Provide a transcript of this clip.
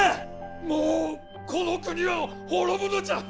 もうこの国は滅ぶのじゃ！